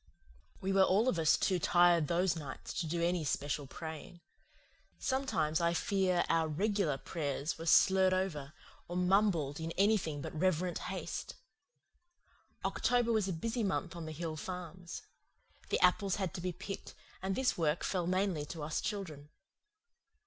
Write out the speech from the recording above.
We were all of us too tired those nights to do any special praying. Sometimes I fear our "regular" prayers were slurred over, or mumbled in anything but reverent haste. October was a busy month on the hill farms. The apples had to be picked, and this work fell mainly to us children.